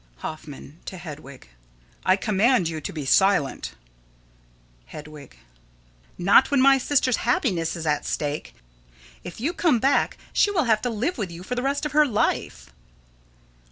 Hoffman: [To Hedwig.] I command you to be silent! Hedwig: Not when my sister's happiness is at stake. If you come back, she will have to live with you the rest of her life.